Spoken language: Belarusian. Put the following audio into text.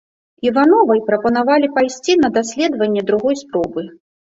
Івановай прапанавалі пайсці на даследванне другой спробы.